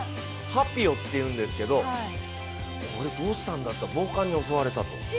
ハピオっていうんですけどこれどうしたんだっていったら暴漢に襲われたと。